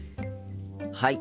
はい。